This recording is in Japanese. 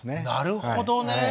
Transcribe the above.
なるほどね。